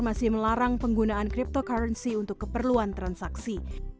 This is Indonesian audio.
masih melarang penggunaan cryptocurrency untuk keperluan transaksi